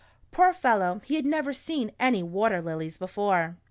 " Poor fellow he had never seen any water lilies before.